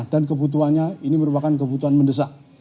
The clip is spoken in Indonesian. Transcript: kebutuhannya ini merupakan kebutuhan mendesak